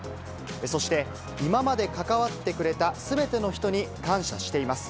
そして今まで関わってくれたすべての人に感謝しています。